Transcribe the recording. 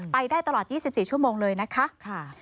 ไปได้ตลอด๒๔ชั่วโมงเลยนะคะ